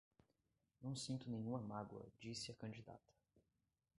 Não sinto nenhuma mágoa, disse a candidata